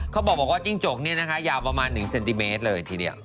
เขาบอกว่าจิ้งจกนี่นะคะยาวประมาณ๑เซนติเมตรเลยทีเดียว